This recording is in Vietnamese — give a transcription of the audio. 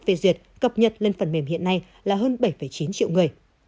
phê duyệt cập nhật lên phần mềm hiện nay là hơn bảy chín triệu người